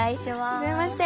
はじめまして。